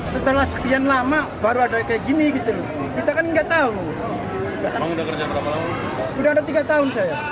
setelah setian lama baru ada kayak gini gitu kita kan enggak tahu